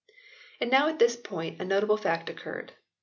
And now at this point a notable fact occurred.